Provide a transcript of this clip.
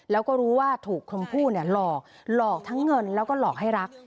แล้วก็รู้ว่าถูกชมพู่หลอกหลอกทั้งเงินแล้วก็หลอกให้รัก